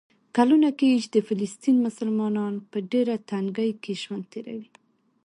کلونه کېږي چې د فلسطین مسلمانان په ډېره تنګۍ کې ژوند تېروي.